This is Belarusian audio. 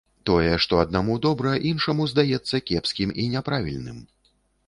Тое, што аднаму добра, іншаму здаецца кепскім і няправільным.